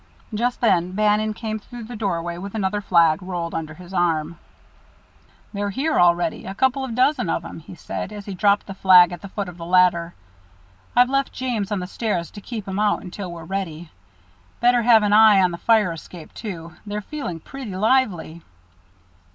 Just then Bannon came through the doorway with another flag rolled under his arm. "They're here already, a couple of dozen of 'em," he said, as he dropped the flag at the foot of the ladder. "I've left James on the stairs to keep 'em out until we're ready. Better have an eye on the fire escape, too they're feeling pretty lively."